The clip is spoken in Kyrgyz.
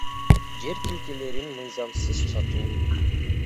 Жер тилкелерин мыйзамсыз сатуу